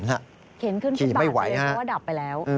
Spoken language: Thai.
เขียนขึ้นขึ้นบ้านเสร็จตะวัดดับไปแล้ว